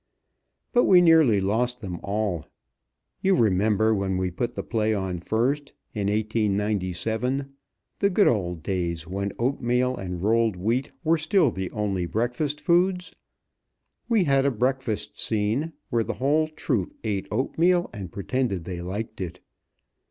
But we nearly lost them all. You remember when we put the play on first, in 1897, the good old days when oatmeal and rolled wheat were still the only breakfast foods. We had a breakfast scene, where the whole troup ate oatmeal, and pretended they liked it.